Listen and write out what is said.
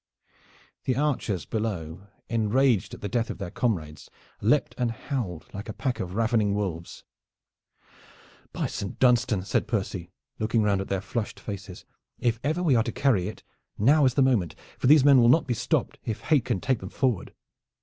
The archers below, enraged at the death of their comrades, leaped and howled like a pack of ravening wolves. "By Saint Dunstan," said Percy, looking round at their flushed faces, "if ever we are to carry it now is the moment, for these men will not be stopped if hate can take them forward."